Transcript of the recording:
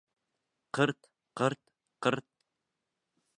Ҡырт-ҡырт-ҡырт...